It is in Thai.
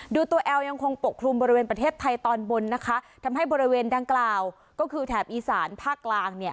ดูตัวแอลยังคงปกคลุมบริเวณประเทศไทยตอนบนนะคะทำให้บริเวณดังกล่าวก็คือแถบอีสานภาคกลางเนี่ย